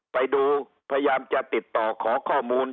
พยายามจะติดต่อขอข้อมูล